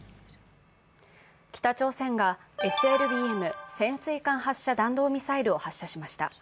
北朝鮮がＳＬＢＭ＝潜水艦発射弾道ミサイルを発射しました。